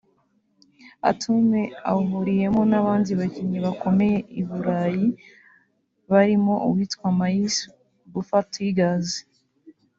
Atome awuhuriyemo n’abandi bakinnyi bakomeye i Burayi barimo uwitwa Mayiss Bouffartigues